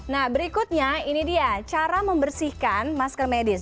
nah berikutnya ini dia cara membersihkan masker medis